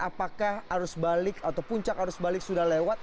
apakah arus balik atau puncak arus balik sudah lewat